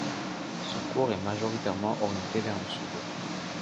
Son cours est majoritairement orienté vers le sud.